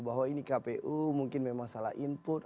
bahwa ini kpu mungkin memang salah input